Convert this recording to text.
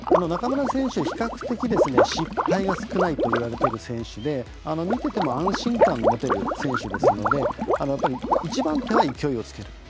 中村選手、比較的失敗が少ないといわれている選手で見てても安心感の持てる選手ですので１番手は勢いをつける。